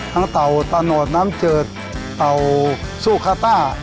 เต่าตะโนดน้ำจืดเต่าซูคาต้า